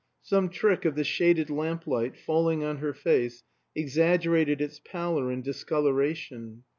Some trick of the shaded lamplight, falling on her face, exaggerated its pallor and discoloration.